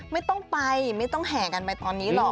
ไม่ต้องไปไม่ต้องแห่กันไปตอนนี้หรอก